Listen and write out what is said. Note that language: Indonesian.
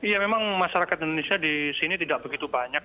ya memang masyarakat indonesia di sini tidak begitu banyak